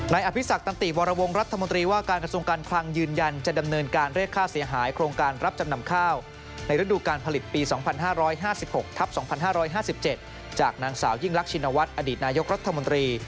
ในฤดูการผลิตปี๒๕๕๖๒๕๕๗จากนางสาวยิ่งรักชินวัตรอดีตนายกรัฐมนตรี